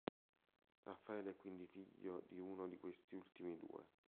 Raffaele è quindi figlio di uno di questi ultimi due.